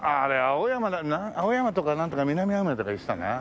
青山とかなんとか南青山とかいってたな。